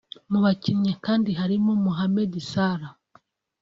Mu bakinnyi kandi harimo Mohammed Salah